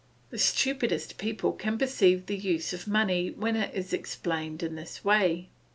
The stupidest person can perceive the use of money when it is explained in this way.